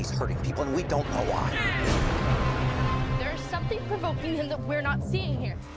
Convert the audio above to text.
ada sesuatu yang menyebabkan dia yang kita tidak lihat disini